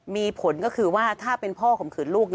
มีผลก็คือว่าถ้าเป็นพ่อข่มขืนลูก